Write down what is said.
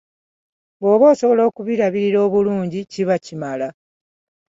Bwoba osobola okubirabirira obulungi kiba bimala.